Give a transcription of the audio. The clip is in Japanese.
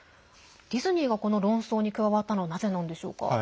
ディズニーがこの論争に加わったのはなぜなんでしょうか。